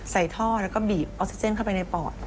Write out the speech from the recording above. ใส่ท่อแล้วก็บีบออกซิเจนเข้าไปในปอด